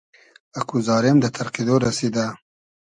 اکو زارېم دۂ تئرقیدۉ رئسیدۂ